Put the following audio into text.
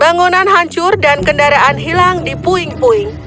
bangunan hancur dan kendaraan hilang di puing puing